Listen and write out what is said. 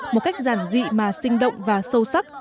một cách giản dị mà sinh động và sâu sắc